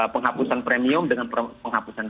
penghapusan premium dengan penghapusan